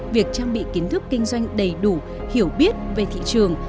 việc trang bị kiến thức kinh doanh đầy đủ hiểu biết về thị trường